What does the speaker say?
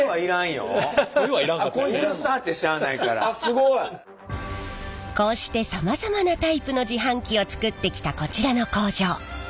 すごい！こうしてさまざまなタイプの自販機を作ってきたこちらの工場。